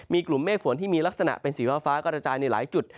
มีกลุ่มเมฆฝนที่มีลักษณะเป็นสีฟ้ากระจายในหลายจุด